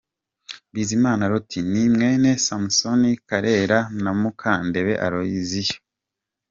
Bizimana Loti, ni mwene Samusoni Karera na Mukandebe Aloyiziya.